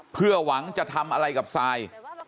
เพื่อหวังจะทำอะไรกับซาย